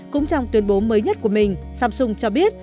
cũng trong tuyên bố mới nhất của mình samsung cho biết